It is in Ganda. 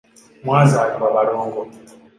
Mwazaalibwa balongo!